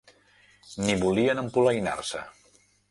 Ni volien empolainar-se